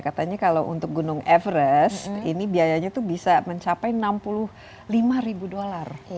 katanya kalau untuk gunung everest ini biayanya itu bisa mencapai enam puluh lima ribu dolar